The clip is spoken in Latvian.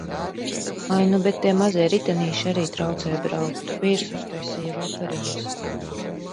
Ai, nu bet tie mazie ritenīši arī traucē braukt. Vīrs uztaisīja vakariņas.